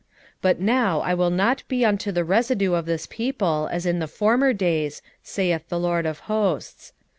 8:11 But now I will not be unto the residue of this people as in the former days, saith the LORD of hosts.